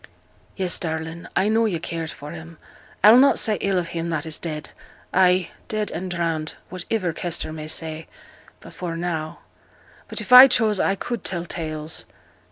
'Yes, darling, I knew yo' cared for him. I'll not say ill of him that is dead ay, dead and drowned whativer Kester may say before now; but if I chose I could tell tales.'